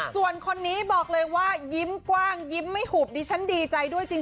ส่วนคนนี้บอกเลยว่ายิ้มกว้างยิ้มไม่หุบดิฉันดีใจด้วยจริง